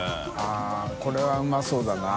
△これはうまそうだな。